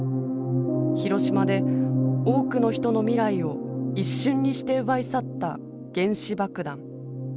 広島で多くの人の未来を一瞬にして奪い去った原子爆弾。